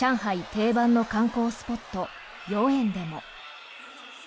定番の観光スポット豫園でも。